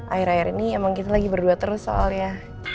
akhir akhir ini emang kita lagi berdua terus soalnya